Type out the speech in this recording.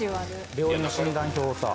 病院の診断表をさ。